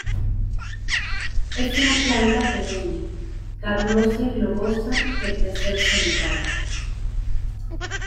Es una planta perenne carnosa y globosa que crecer solitaria.